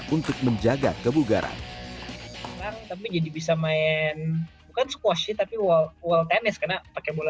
untuk menjaga kebugaran tapi jadi bisa main bukan squash tapi walt walt tennis karena pakai bola